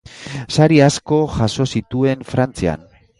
Sari asko jaso zituen Frantzian.